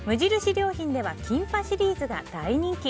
良品ではキンパシリーズが大人気。